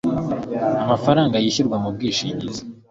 amafanga yishyurwa mu bwishingizi